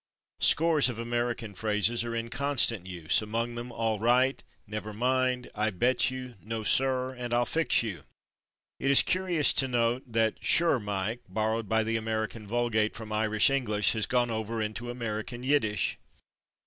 Scores of American phrases are in constant use, among them, /all right/, /never mind/, /I bet you/, /no sir/ and /I'll fix you/. It is curious to note that /sure Mike/, borrowed by the American vulgate from Irish English, has gone over into American Yiddish.